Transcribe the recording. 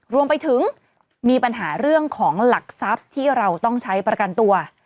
รวมไปถึงมีปัญหาเรื่องของหลักทรัพย์ที่เราต้องใช้ประกันตัว